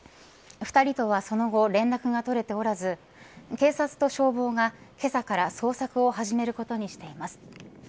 ２人とはその後連絡が取れておらず警察と消防が、けさから捜索を始めることにしています。